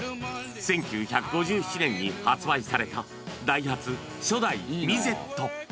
１９５７年に発売された、ダイハツ、初代ミゼット。